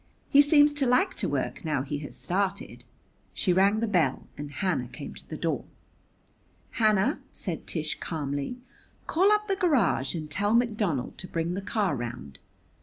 "He seems to like to work, now he has started." She rang the bell and Hannah came to the door. "Hannah," said Tish calmly, "call up the garage and tell McDonald to bring the car round. Mr.